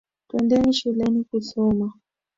Twendeni shuleni kusoma.